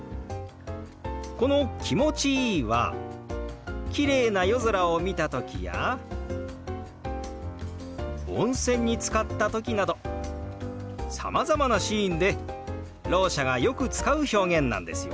この「気持ちいい」はきれいな夜空を見た時や温泉につかった時などさまざまなシーンでろう者がよく使う表現なんですよ。